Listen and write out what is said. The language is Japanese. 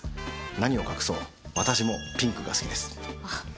何を隠そう私もピンクが好きです。